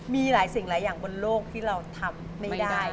มีหลายสิ่งหลายอย่างบนโลกที่เราทำไม่ได้